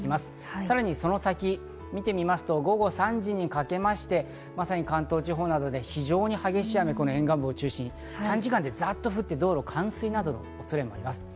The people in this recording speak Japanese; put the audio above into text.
さらにその先を見てみますと、午後３時にかけまして、まさに関東地方など非常に激しい雨、沿岸部を中心に短時間でザっと降って道路が冠水するなどの恐れがあります。